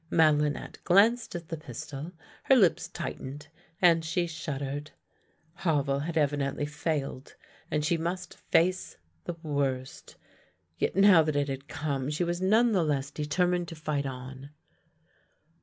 Madelinette glanced at the pistol, her lips tightened, and she shud dered. Havel had evidently failed, and she must face the worst. Yet now that it had come, she was none the less determined to fight on.